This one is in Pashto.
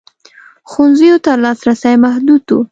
ښوونځیو ته لاسرسی محدود و.